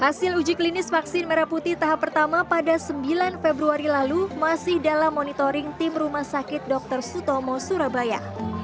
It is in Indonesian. hasil uji klinis vaksin merah putih tahap pertama pada sembilan februari lalu masih dalam monitoring tim rumah sakit dr sutomo surabaya